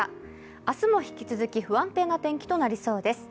明日も引き続き不安定な天気となりそうです。